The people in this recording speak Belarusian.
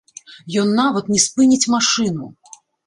Ён нават не спыніць машыну.